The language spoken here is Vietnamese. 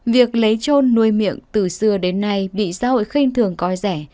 việc lấy trôn nuôi miệng từ xưa đến nay bị xã hội khen thường coi rẻ